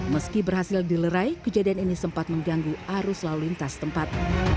meski berhasil dilerai kejadian ini sempat mengganggu arus lalu lintas tempat